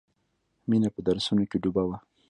مینه په درسونو کې ډوبه وه